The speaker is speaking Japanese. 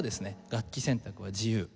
楽器選択は自由。